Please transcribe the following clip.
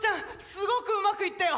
すごくうまくいったよ。